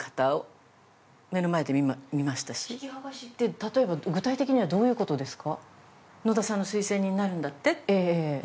例えば具体的にはどういうことですか？